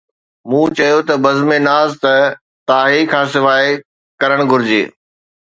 مون چيو ته، ”بزم ناز ته ”تاهي“ کان سواءِ ڪرڻ گهرجي.